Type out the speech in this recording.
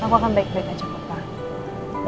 pak pak akan baik baik ajak opa